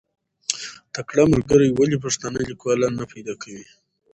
تکړه ملګري ولې پښتانه لیکوالان نه پیدا کوي؟